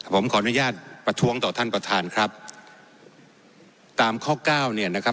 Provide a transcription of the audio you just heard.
ผมขออนุญาตประท้วงต่อท่านประธานครับตามข้อเก้าเนี่ยนะครับ